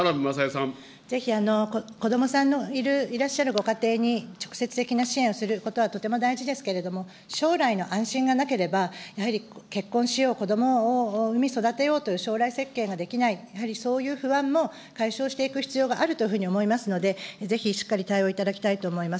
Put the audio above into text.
ぜひ、子どもさんのいる、いらっしゃるご家庭に直接的な支援をすることはとても大事ですけれども、将来の安心がなければ、やはり結婚しよう、子どもを産み育てようという、将来設計ができない、やはりそういう不安も解消していく必要があるというふうに思いますので、ぜひしっかり対応いただきたいと思います。